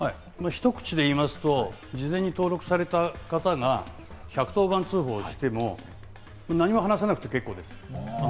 ひと口で言いますと事前に登録された方が１１０番通報をしても何も話さなくて結構です。